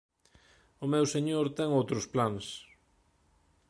O meu señor ten outros plans...